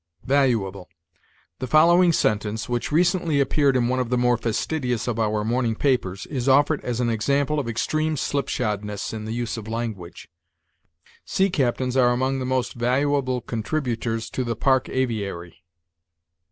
VALUABLE. The following sentence, which recently appeared in one of the more fastidious of our morning papers, is offered as an example of extreme slipshodness in the use of language: "Sea captains are among the most valuable contributors to the Park aviary."